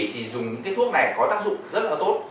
thì dùng những cái thuốc này có tác dụng rất là tốt